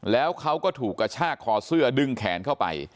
แล้วเขาก็ถูกกระชากคอเสื้อดึงแขนเข้าไป